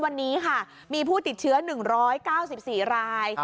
วันนี้ค่ะมีผู้ติดเชื้อ๑๙๔ราย